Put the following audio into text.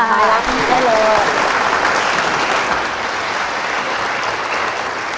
ไปแล้วไปแล้ว